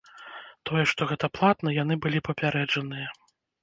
Тое, што гэта платна, яны былі папярэджаныя.